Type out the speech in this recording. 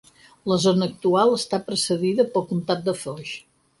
La zona actual era precedida pel Comptat de Foix.